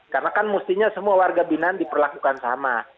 karena kan mestinya semua warga binan diperlakukan sama